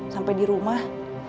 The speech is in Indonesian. sampai di rumah